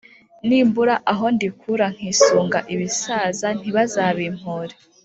Nimbura aho ndikura Nkisunga ibisaza nibaza bimpore